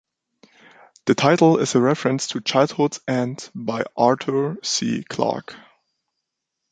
The title is a reference to "Childhood's End" by Arthur C. Clarke.